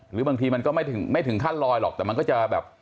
หรือบางทีมันก็ไม่ถึงขั้นลอยหรอกแต่มันก็จะแบบ